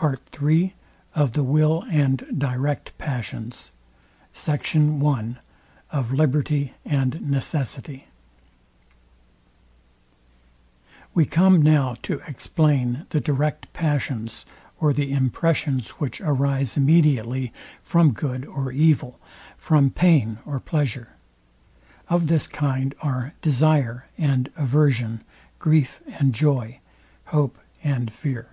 PART III OF THE WILL AND DIRECT PASSIONS SECT. I OF LIBERTY AND NECESSITY We come now to explain the direct passions, or the impressions, which arise immediately from good or evil, from pain or pleasure. Of this kind are, desire and aversion, grief and joy, hope and fear.